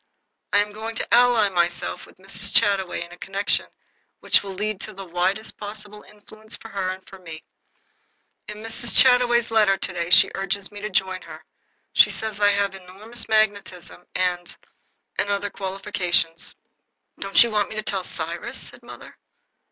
I am going to ally myself with Mrs. Chataway in a connection which will lead to the widest possible influence for her and for me. In Mrs. Chataway's letter to day she urges me to join her. She says I have enormous magnetism and and other qualifications." "Don't you want me to tell Cyrus?" said mother.